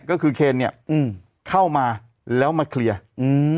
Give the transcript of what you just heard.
ก็คือเคนเนี้ยอืมเข้ามาแล้วมาเคลียร์อืม